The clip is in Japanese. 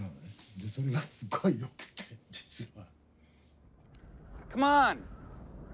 でそれがすごいよくて実は。